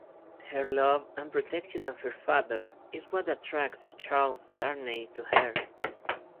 Her love and protection of her father is what attracts Charles Darnay to her.